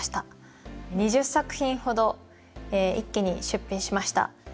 ２０作品ほど一気に出品しました。